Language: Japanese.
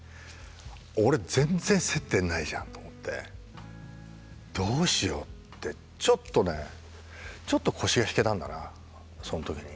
俺全然接点ないじゃんと思って「どうしよう？」ってちょっとねちょっと腰が引けたんだなその時に。